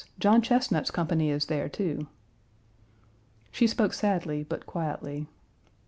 John Chesnut's company is there, too." She spoke sadly, but quietly.